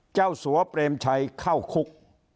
เจ้าสัวร์เปรมชัยเข้าคุก